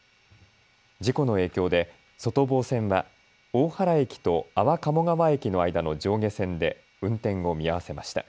事故の影響で外房線は大原駅と安房鴨川駅の間の上下線で運転を見合わせました。